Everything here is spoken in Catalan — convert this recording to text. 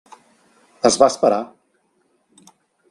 Es va esperar.